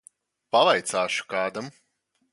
Pavaicāšu kādam.